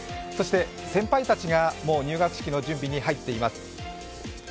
そして先輩たちが入学式の準備に入っています。